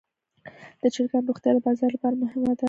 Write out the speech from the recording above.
د چرګانو روغتیا د بازار لپاره مهمه ده.